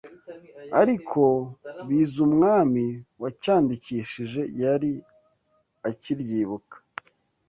Ariko Bizumwami wacyandikishije yari akiryibuka